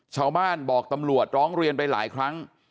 ชาวบ้านบอกตำรวจร้องเรียนไปหลายครั้ง